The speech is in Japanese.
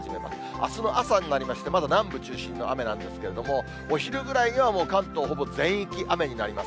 あすの朝になりまして、まだ南部中心の雨なんですけれども、お昼ぐらいにはもう関東ほぼ全域、雨になります。